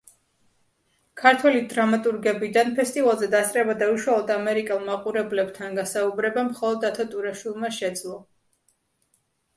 ქართველი დრამატურგებიდან ფესტივალზე დასწრება და უშუალოდ ამერიკელ მაყურებლებთან გასაუბრება მხოლოდ დათო ტურაშვილმა შეძლო.